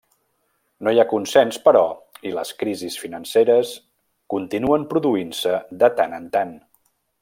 No hi ha consens, però, i les crisis financeres continuen produint-se de tant en tant.